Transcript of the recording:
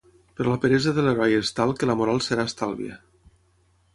Però la peresa de l'heroi és tal que la moral serà estàlvia.